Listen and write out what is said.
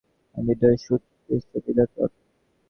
আমি বিদ্রোহী-সুত বিশ্ব-বিধাতৃর।